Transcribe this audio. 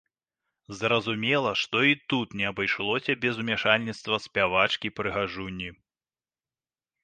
Зразумела, што і тут не абышлося без умяшальніцтва спявачкі-прыгажуні.